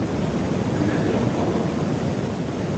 Әмма озаккамы?